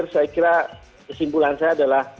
saya kira kesimpulan saya adalah